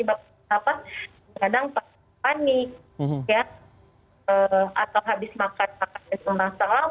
itu rasanya sangat berbeda